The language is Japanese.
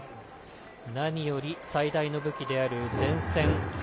何より、最大の武器である前線。